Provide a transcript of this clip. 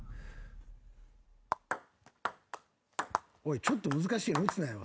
おいちょっと難しいの打つなよ